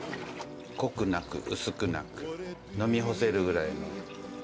濃くなく、薄くなく、飲み干せるぐらいの。